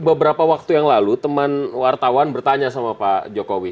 beberapa waktu yang lalu teman wartawan bertanya sama pak jokowi